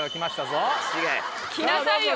きなさいよ！